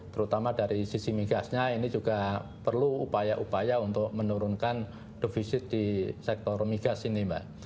terutama dari sisi migasnya ini juga perlu upaya upaya untuk menurunkan defisit di sektor migas ini mbak